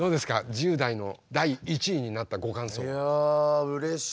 １０代の第１位になったご感想は。